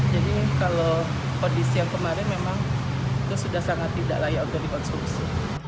jadi kalau kondisi yang kemarin memang itu sudah sangat tidak layak untuk dikonsumsi